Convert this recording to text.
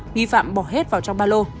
nghi phạm bỏ hết vào trong ba lô